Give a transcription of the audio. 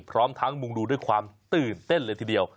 พร้อมทั้งมุงดูด้วยความตื่นเต้นเลยทีเดียว